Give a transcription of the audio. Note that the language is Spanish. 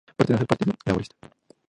Pertenece al Partido Laborista.